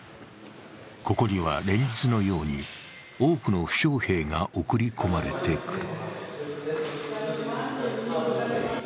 ここには連日のように、多くの負傷兵が送り込まれてくる。